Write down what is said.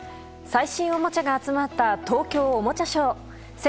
最新おもちゃが集まった東京おもちゃショー。